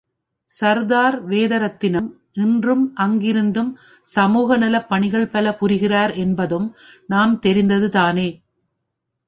சர்தார் வேதரத்தினம் இன்றும் அங்கிருந்து சமூக நலப் பணிகள் பல புரிகிறார் என்பதும் நாம் தெரிந்ததுதானே.